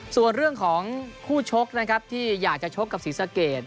ส่วนเรื่องของคู่ชกนะครับที่อยากจะชกกับศรีสะเกด